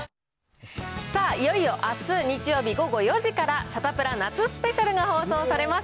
さあ、いよいよ、あす日曜日午後４時からサタプラ夏スペシャルが放送されます。